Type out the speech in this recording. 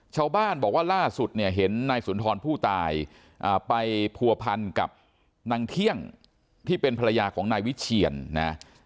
ชาวบ้านบอกว่าล่าสุดเนี่ยเห็นนายสุนทรผู้ตายไปผัวพันกับนางเที่ยงที่เป็นภรรยาของนายวิเชียนนะ